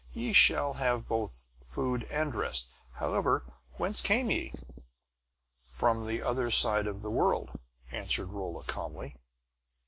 "Ye shall have both food and rest. However, whence came ye?" "From the other side of the world," answered Rolla calmly.